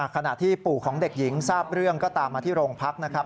ขณะที่ปู่ของเด็กหญิงทราบเรื่องก็ตามมาที่โรงพักนะครับ